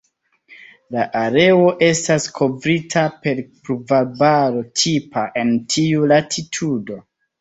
La areo estas kovrita per pluvarbaro tipa en tiu latitudo.